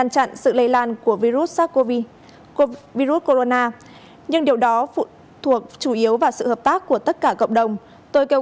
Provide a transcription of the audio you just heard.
chống dịch covid một mươi chín nhưng điều đó phụ thuộc chủ yếu vào sự hợp tác của tất cả cộng đồng tôi kêu